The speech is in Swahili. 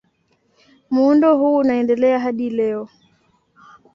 Muundo huu unaendelea hadi leo.